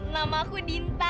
nama aku dinta